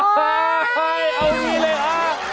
โอ้โฮเอาอย่างงี้เลยค่ะ